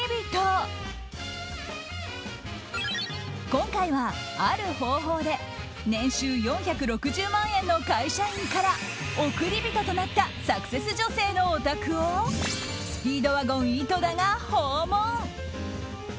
今回は、ある方法で年収４６０万円の会社員から億り人となったサクセス女性のお宅をスピードワゴン、井戸田が訪問。